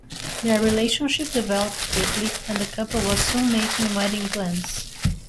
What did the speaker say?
Their relationship developed quickly, and the couple was soon making wedding plans.